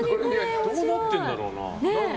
どうなってるんだろうな。